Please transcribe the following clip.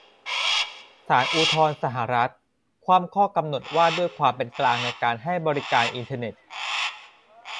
ศาลอุทธรณ์สหรัฐ คว่ำข้อกำหนดว่าด้วยความเป็นกลางในการให้บริการอินเทอร์เน็ต